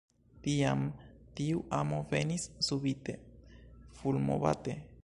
Tiam tiu amo venis subite, fulmobate?